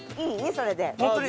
それで。